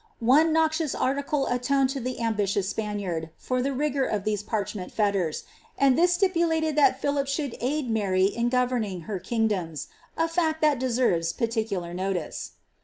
One noxious article atoned IoiIm ambitious Spaniard for the rigour of tlieae parchment fetters, and ihii stipulated that Philip should aid Maiy in governing' her kingdoms—! fact that deserves particular notice.